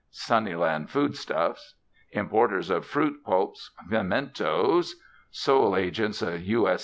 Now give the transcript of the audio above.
"Sunnyland Foodstuffs," "Importers of Fruit Pulps, Pimentos," "Sole Agents U.S.